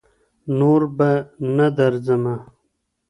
نور بــه نـه درځمـــه